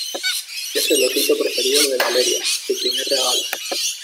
es el osito preferido de Valeria. su primer regalo .